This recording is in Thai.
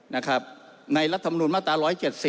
ในรัฐมนุนมาตรา๑๗๐